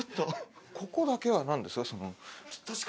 ここだけは何ですか？